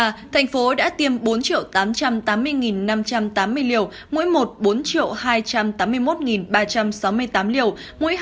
một năm trăm tám mươi năm trăm tám mươi liều mũi một bốn hai trăm tám mươi một ba trăm sáu mươi tám liều mũi hai năm trăm chín mươi chín hai trăm một mươi hai liều